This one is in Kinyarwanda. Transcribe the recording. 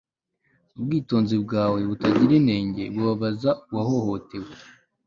Ubwitonzi bwawe butagira inenge bubabaza uwahohotewe